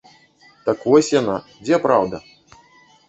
Так вось яна, дзе праўда?